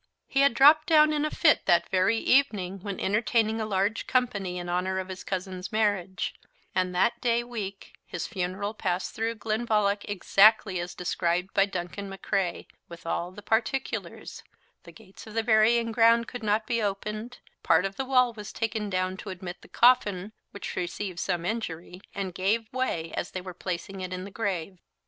He had dropped down in a fit that very evening, when entertaining a large company in honour of his cousin's marriage; and that day week his funeral passed through Glenvalloch exactly as described by Duncan M'Crae, with all the particulars: The gates of the burying ground could not he opened; part of the wall was taken down to admit the coffin, which received some injury, and gave way as they were placing it in the grave."